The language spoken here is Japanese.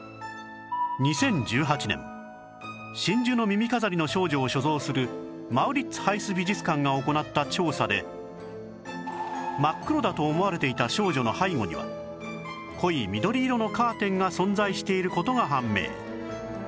２０１８年『真珠の耳飾りの少女』を所蔵するマウリッツ・ハイス美術館が行った調査で真っ黒だと思われていた少女の背後には濃い緑色のカーテンが存在している事が判明